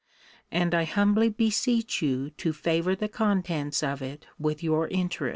* And I humbly beseech you to favour the contents of it with your interest.